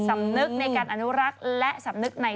สำนึกในการอนุรักษ์และสำนึกใน